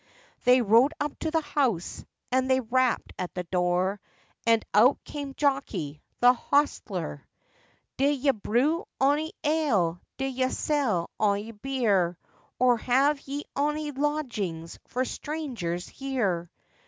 They rode up to the house, and they rapped at the door, And out came Jockey, the hosteler. 'D'ye brew ony ale? D'ye sell ony beer? Or have ye ony lodgings for strangers here?